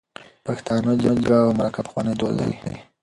پښتانه جرګی او مرکی پخواني دود ده